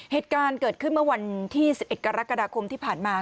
เหตุการณ์เกิดขึ้นเมื่อวันที่๑๑กรกฎาคมที่ผ่านมา